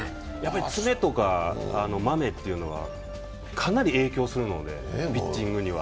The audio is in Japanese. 爪とかまめというのはかなり影響するので、ピッチングには。